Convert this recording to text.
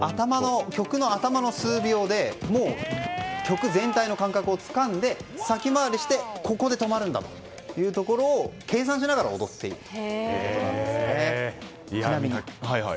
曲の頭の数秒で曲全体の感覚をつかんで先回りしてここで止まるんだというところを計算しながら踊っているということです。